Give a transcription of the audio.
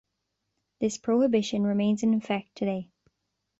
This prohibition remains in effect today.